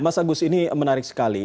mas agus ini menarik sekali